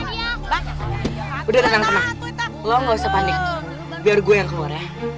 mbak udah dateng teman lo ga usah panik biar gue yang keluar ya